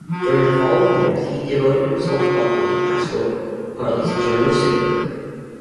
During the following years he devoted himself partly to pastoral, partly to journalistic work.